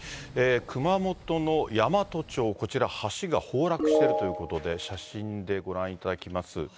熊本の山都町、こちら、橋が崩落しているということで、写真でご覧いただきます。